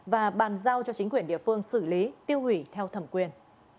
và bàn giao cho chính quyền địa phương xử lý tiêu hủy theo thẩm quyền